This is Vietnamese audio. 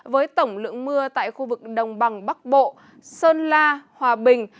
với tổng lượng mưa tại khu vực đồng bằng bắc bộ sơn la hòa bình